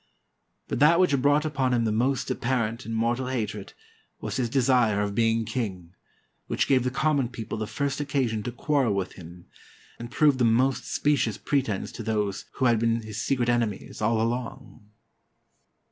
But that which brought upon him the most apparent and mortal hatred, was his desire of being king; which gave the common people the first occasion to quarrel with him, and proved the most specious pretense to those who had been his secret enemies all along.